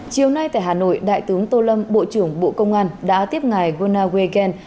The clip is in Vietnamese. chiều nay tại hà nội đại tướng tô lâm bộ trưởng bộ công an đã tiếp ngài gunnar wegen